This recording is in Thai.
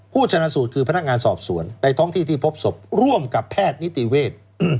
ชนะสูตรคือพนักงานสอบสวนในท้องที่ที่พบศพร่วมกับแพทย์นิติเวทย์